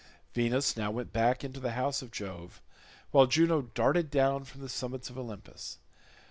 Venus now went back into the house of Jove, while Juno darted down from the summits of Olympus.